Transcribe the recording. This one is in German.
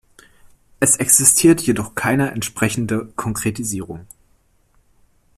Es existiert jedoch keiner entsprechende Konkretisierung.